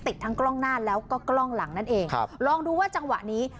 ติดทั้งกล้องหน้าแล้วก็กล้องหลังนั่นเองครับลองดูว่าจังหวะนี้